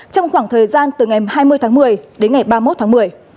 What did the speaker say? trong khoảng thời gian từ ngày hai mươi tháng một mươi đến ngày ba mươi một tháng một mươi